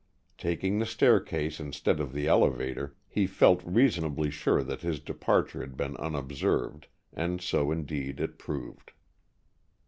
Taking the staircase instead of the elevator, he felt reasonably sure that his departure had been unobserved, and so indeed it proved.